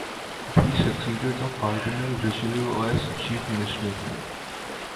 He succeeded the Cardinal Richelieu as Chief Minister.